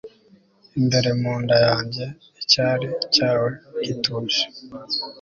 imbere mu nda yanjye, icyari cyawe gituje